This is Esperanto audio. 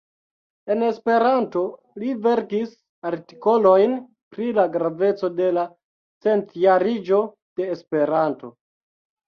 En Esperanto, li verkis artikolojn pri la graveco de la Centjariĝo de Esperanto.